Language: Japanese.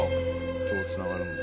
そう繋がるんだ。